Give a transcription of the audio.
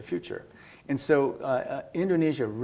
penting untuk belajar